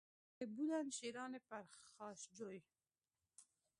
که بودند شیران پرخاشجوی